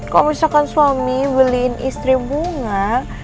kalau misalkan suami beliin istri bunga